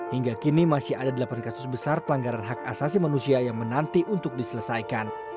hingga kini masih ada delapan kasus besar pelanggaran hak asasi manusia yang menanti untuk diselesaikan